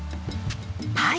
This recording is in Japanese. はい。